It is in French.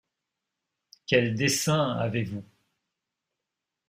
Quel dessein avez-vous?